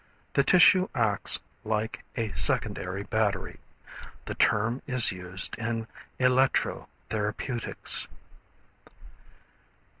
The tissue acts like a secondary battery. The term is used in electro therapeutics.